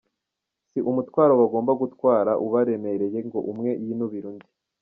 Si umutwaro bagomba gutwara ubaremereye ngo umwe yinubire undi.